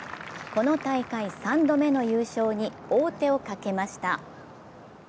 この大会、３度目の優勝に王手をかけました。